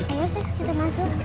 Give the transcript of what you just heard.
ayo siapasih kita masuk